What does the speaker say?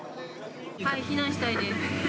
避難したいです。